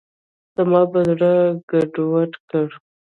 زما به یې زړه ګډوډ کړ.